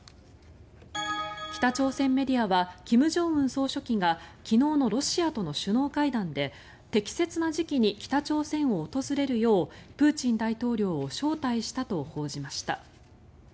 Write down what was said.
北朝鮮メディアは金正恩総書記が昨日のロシアとの首脳会談で適切な時期に北朝鮮を訪れるようプーチン大統領を招待したと報じました。